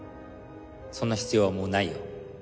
そんな必要はもうないよ